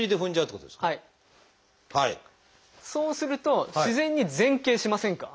そうすると自然に前傾しませんか？